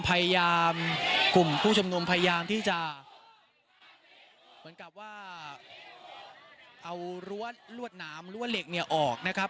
พยายามที่จะเหมือนกับว่าเอารวดน้ำรวดเหล็กเนี่ยออกนะครับ